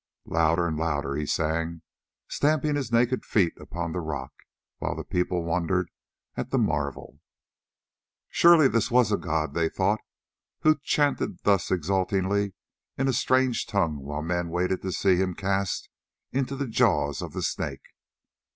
Louder and louder he sang, stamping his naked feet upon the rock, while the people wondered at the marvel. Surely this was a god, they thought, who chanted thus exultingly in a strange tongue while men waited to see him cast into the jaws of the Snake.